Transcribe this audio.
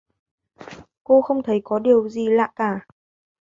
cô không thấy có điều gì lạ cả